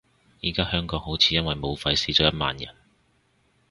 而家香港好似因為武肺死咗一萬人